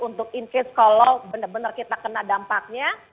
untuk infeksi kalau bener bener kita kena dampaknya